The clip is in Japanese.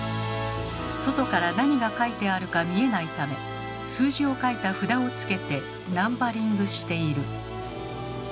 外から何が書いてあるか見えないため数字を書いた札を付けてナンバリングしている。